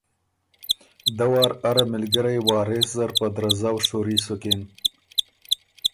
دۀ وار اره مِلګِرئ وارث زر په درزؤ شُوري سُکِن۔